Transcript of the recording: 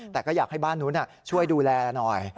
แต่ก็อยากให้บ้านนู้นช่วยดูแลหน่อย